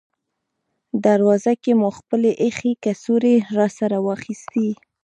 دروازه کې مو خپلې اېښې کڅوړې راسره واخیستې.